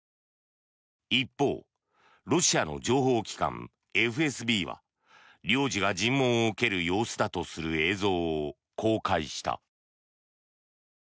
一方、ロシアの情報機関ＦＳＢは領事が尋問を受ける様子だとする映像を公開した。